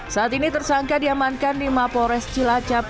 saat ini tersangka diamankan di mapores cilacap